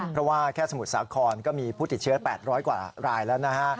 เพราะว่าแค่สมุทรสาครก็มีผู้ติดเชื้อ๘๐๐กว่ารายแล้วนะฮะ